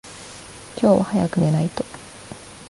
今日は早く寝ないと。